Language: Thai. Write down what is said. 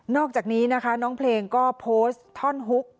อกจากนี้นะคะน้องเพลงก็โพสต์ท่อนฮุก